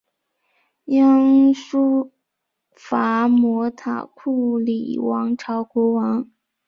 鸯输伐摩塔库里王朝国王。